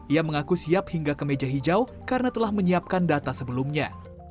ia mengaku siap hingga ke meja hijau karena telah menyiapkan data sebelumnya